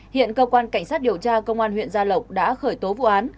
hiện cơ quan cảnh sát điều tra công an huyện gia lộc đã khởi tố vụ án